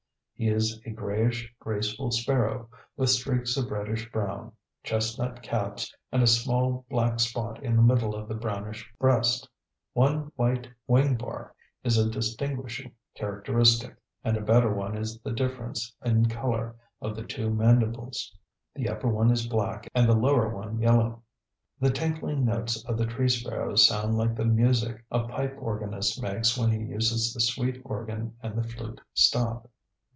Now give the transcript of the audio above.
He is a grayish, graceful sparrow, with streaks of reddish brown, chestnut caps, and a small black spot in the middle of the brownish breast. One white wing bar is a distinguishing characteristic, and a better one is the difference in color of the two mandibles; the upper one is black and the lower one yellow. The tinkling notes of the tree sparrows sound like the music a pipe organist makes when he uses the sweet organ and the flute stop.